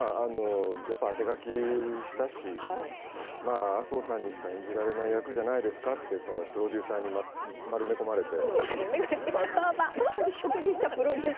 当て書きしたし麻生さんにしか演じられない役じゃないですかとプロデューサーさんに丸め込まれて。